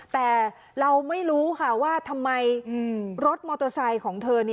แต่เราไม่รู้ค่ะว่าทำไมรถมอเตอร์ไซค์ของเธอ